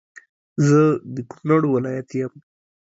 زه د کونړ ولایت یم